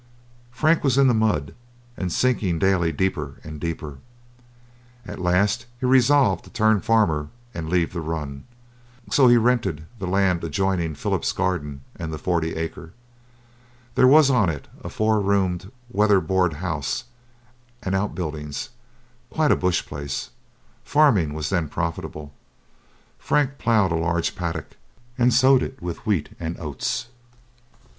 Frank was in the mud, and sinking daily deeper and deeper. At last he resolved to turn farmer and leave the run, so he rented the land adjoining Philip's garden and the forty acre. There was on it a four roomed, weather board house and outbuildings, quite a bush palace. Farming was then profitable. Frank ploughed a large paddock and sowed it with wheat and oats.